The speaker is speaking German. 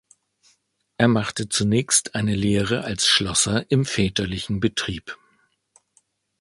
Er machte zunächst eine Lehre als Schlosser im väterlichen Betrieb.